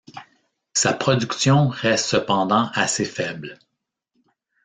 Sa production reste cependant assez faible.